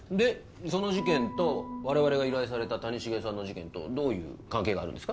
その事件と我々が依頼された谷繁さんの事件とどういう関係があるんですか？